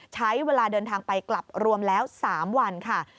ใช้เวลาเดินทางไปกลับรวมแล้ว๓วันค่ะ